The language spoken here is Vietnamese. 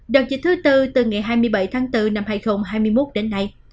đợt dịch thứ tư từ ngày hai mươi bảy tháng bốn năm hai nghìn hai mươi một đến nay